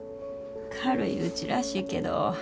軽いうちらしいけど。